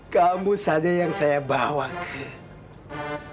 kamu saja yang saya bawa